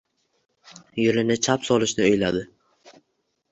Yo‘lini chap solishni o‘yladi.